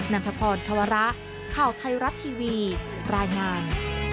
ันทพรธวระข่าวไทยรัฐทีวีรายงาน